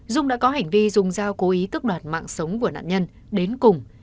dung đã có hành vi dùng giao cố ý tức đoạt mạng sống của nạn nhân đến cùng